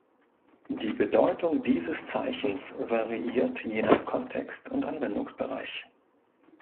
Die Bedeutung dieses Zeichens variiert je nach Kontext und Anwendungsbereich.